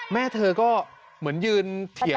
แม่เธอก็เหมือนยืนเถียง